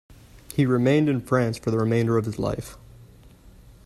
He remained in France for the remainder of his life.